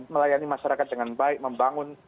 melayani masyarakat dengan baik membangun